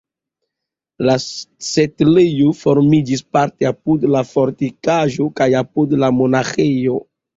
La setlejo formiĝis parte apud la fortikaĵo kaj apud la monaĥejo.